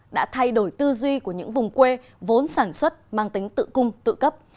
đã thay đổi tư duy của những vùng quê vốn sản xuất mang tính tự cung tự cấp